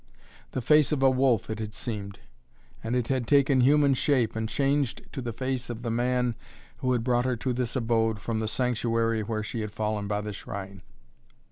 The face of a wolf it had seemed. And it had taken human shape and changed to the face of the man who had brought her to this abode from the sanctuary where she had fallen by the shrine.